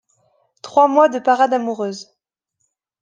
Trois mois de parade amoureuse.